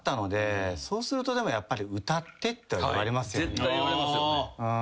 ・絶対言われますよね。